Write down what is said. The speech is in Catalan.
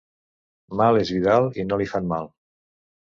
Mal és Vidal i no li fan mal.